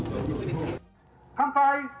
乾杯！